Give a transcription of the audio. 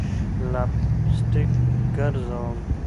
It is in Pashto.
لپ سټک ګرزوم